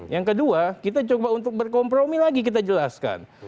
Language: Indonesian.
yang kedua kita coba untuk berkompromi lagi kita jelaskan